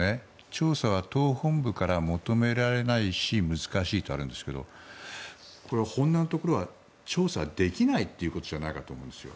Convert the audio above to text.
調査は党本部から求められないし難しいとあるんですけど本音のところは調査できないということじゃないかと思うんですよ。